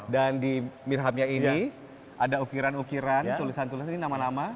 dan di mihrabnya ini ada ukiran ukiran tulisan tulisan ini nama nama